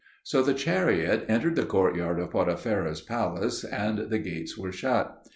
So the chariot entered the courtyard of Poti pherah's palace, and the gates were shut.